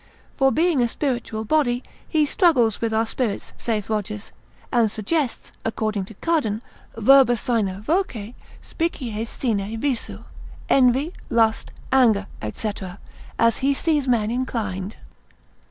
For being a spiritual body, he struggles with our spirits, saith Rogers, and suggests (according to Cardan, verba sine voce, species sine visu, envy, lust, anger, &c.) as he sees men inclined.